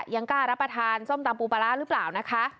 ยังกล้ารับประทานส้มตำปูปลาร้าหรือเปล่านะคะ